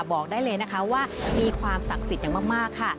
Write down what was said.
บอกได้เลยนะคะว่ามีความศักดิ์สิทธิ์อย่างมากค่ะ